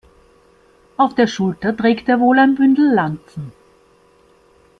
Auf der Schulter trägt er wohl ein Bündel Lanzen.